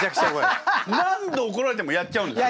何度おこられてもやっちゃうんですよ。